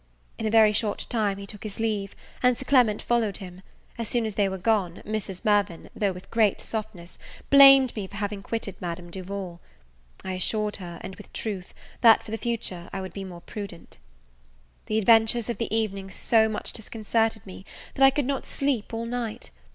In a very short time he took his leave, and Sir Clement followed him. As soon as they were gone, Mrs. Mirvan, though with great softness, blamed me for having quitted Madame Duval. I assured her, and with truth, that for the future I would be more prudent. The adventures of the evening so much disconcerted me, that I could not sleep all night.